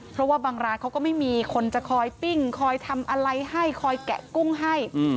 เพราะว่าบางร้านเขาก็ไม่มีคนจะคอยปิ้งคอยทำอะไรให้คอยแกะกุ้งให้